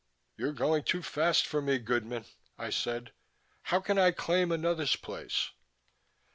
"You're going too fast for me, goodmen," I said. "How can I claim another's place?"